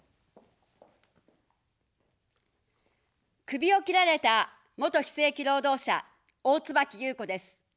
首を切られた元非正規労働者、大椿ゆうこです。